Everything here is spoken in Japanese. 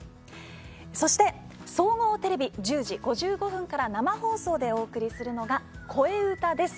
そして総合テレビ１０時５５分から生放送でお送りするのが「こえうた」です。